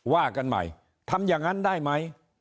ว่ากันใหม่ทำอย่างนั้นได้ไหม